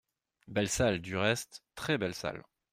Belle salle, du reste… très belle salle…